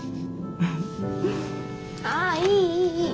あいいいいいい！